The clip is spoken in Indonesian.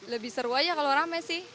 lebih seru aja kalau rame sih